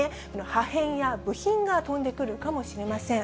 破片や部品が飛んでくるかもしれません。